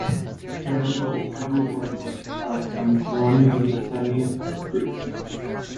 Triandos's family origins are from Koroni, Messenia, Greece.